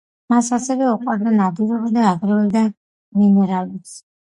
მას ასევე უყვარდა ნადირობა და აგროვებდა მინერალებს.